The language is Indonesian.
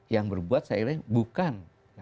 yang berbuat saya kira bukan